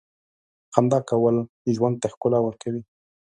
• خندا کول ژوند ته ښکلا ورکوي.